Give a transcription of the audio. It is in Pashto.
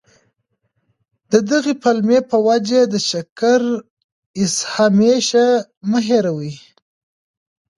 د دغي پلمې په وجه د شکر ایسهمېشه مه هېروه.